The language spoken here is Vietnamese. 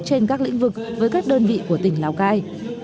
trên các lĩnh vực với các đơn vị của tỉnh lào cai